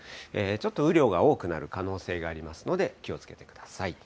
ちょっと雨量が多くなる可能性がありますので、気をつけてください。